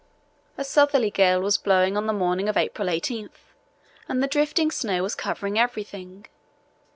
A southerly gale was blowing on the morning of April 18 and the drifting snow was covering everything.